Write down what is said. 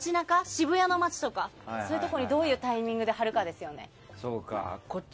渋谷の街とかそういうところにどういうタイミングで貼るかですよね。